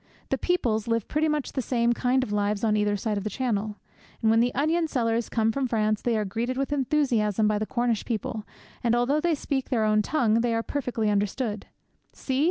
The peoples live pretty much the same kind of lives on either side of the Channel. And when the onion sellers come from France they are greeted with enthusiasm by the Cornish people, and although they speak their own tongue, they are perfectly understood. See!